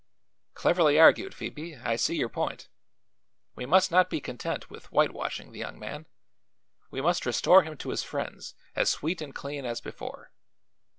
"Cleverly argued, Phoebe. I see your point. We must not be content with whitewashing the young man; we must restore him to his friends as sweet and clean as before.